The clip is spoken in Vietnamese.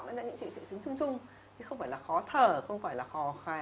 đó là những triệu chứng chung chung chứ không phải là khó thở không phải là khò khòi